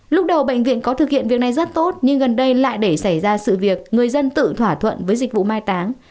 lúc đầu bệnh viện có thực hiện việc này rất tốt nhưng gần đây lại để xảy ra sự việc người dân tự thỏa thuận với dịch vụ mai táng